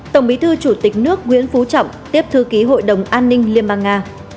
tổng bí thư chủ tịch nước nguyễn phú trọng tiếp thư ký hội đồng an ninh liên bang nga